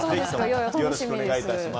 よろしくお願いします。